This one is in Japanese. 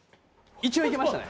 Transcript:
一応いけましたね。